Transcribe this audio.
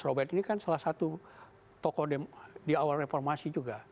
robert ini kan salah satu tokoh di awal reformasi juga